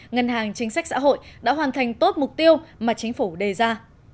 ngân hàng chính sách xã hội đã hoàn thành tốt mục tiêu mà chính phủ đề ra